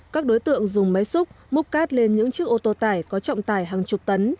các đối tượng dùng máy xúc múc cát lên những chiếc ô tô tải có trọng tải hàng chục tấn